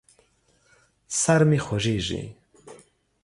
سر مې خوږېږي.